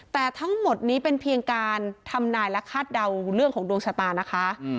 แต่ทั้งหมดนี้เป็นเพียงการทำนายและคาดเดาเรื่องของดวงชะตานะคะ